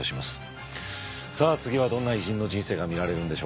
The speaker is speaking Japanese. さあ次はどんな偉人の人生が見られるんでしょうか。